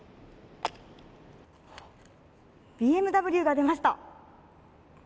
ＢＭＷが出ました。